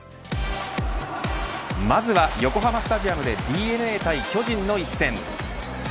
まずは横浜スタジアムでＤｅＮＡ対巨人の一戦。